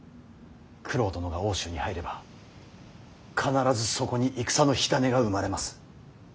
九郎殿が奥州に入れば必ずそこに戦の火種が生まれます。